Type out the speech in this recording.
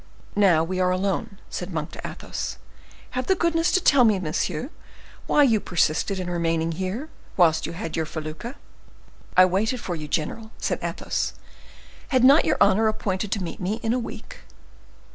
"Now we are alone," said Monk to Athos, "have the goodness to tell me, monsieur, why you persisted in remaining here, whilst you had your felucca—" "I waited for you, general," said Athos. "Had not your honor appointed to meet me in a week?"